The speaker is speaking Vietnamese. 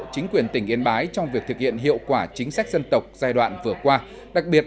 chính quyền tỉnh yên bái trong việc thực hiện hiệu quả chính sách dân tộc giai đoạn vừa qua